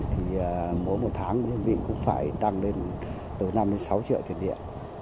thì mỗi một tháng nhân vị cũng phải tăng lên từ năm đến sáu triệu tiền điện